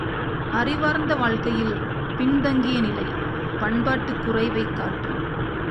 அறிவார்ந்த வாழ்க்கையில் பின்தங்கிய நிலை, பண்பாட்டுக் குறைவைக் காட்டும்.